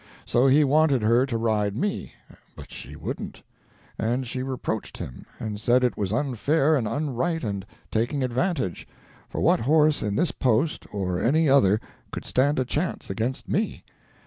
So he wanted her to ride me, but she wouldn't; and she reproached him, and said it was unfair and unright, and taking advantage; for what horse in this post or any other could stand a chance against me?